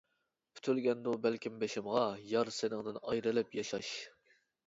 پۈتۈلگەندۇ بەلكىم بېشىمغا، يار سېنىڭدىن ئايرىلىپ ياشاش.